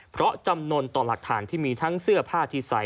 เพราะจำนวนต่อหลักฐานที่มีทั้งเสื้อผ้าที่ใส่